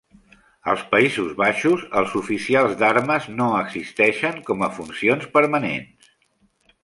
En Països Baixos, els oficials d'armes no existeixen com a funcions permanents.